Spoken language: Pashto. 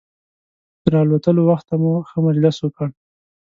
تر الوتلو وخته مو ښه مجلس وکړ.